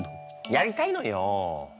やりたいのよ！